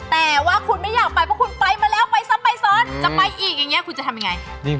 แต่เล่น